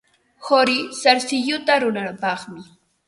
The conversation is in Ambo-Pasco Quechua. Quri sarsilluta ruranapaqmi.